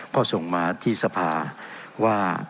พ่อส่งมาที่ทราบว่า